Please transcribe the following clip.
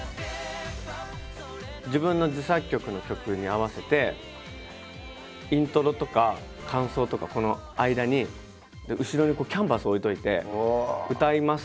自分の自作曲の曲に合わせてイントロとか間奏とかこの間に後ろにこうキャンバス置いておいて歌います。